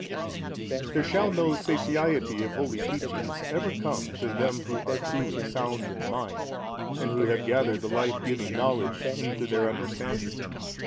A. There shall no satiety of holy teachings ever come to them who are truly sound in mind and who have gathered the life giving knowledge into their understanding.